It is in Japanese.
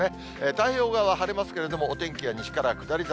太平洋側は晴れますけれども、お天気は西から下り坂。